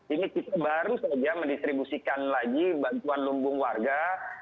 ini kita baru saja mendistribusikan lagi bantuan lumbung warga